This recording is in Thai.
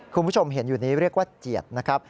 คุณผู้ชมเห็นอยู่นี้เรียกว่าเจียดนะครับ